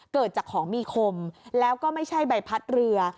เกิดจากของมีคมแล้วก็ไม่ใช่ใบพัดเรือ